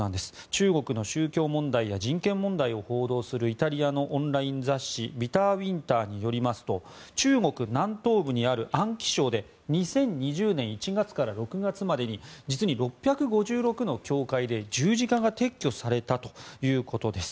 中国の宗教問題や人権問題を報道するイタリアのオンライン雑誌「ビター・ウィンター」によりますと中国南東部にある安徽省で２０２０年１月から６月までに実に６５６の教会で十字架が撤去されたということです。